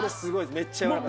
めっちゃやわらかいです。